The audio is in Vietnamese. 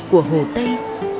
của hồ tây